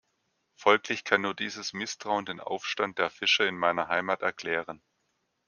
Folglich kann nur dieses Misstrauen den Aufstand der Fischer in meiner Heimat erklären.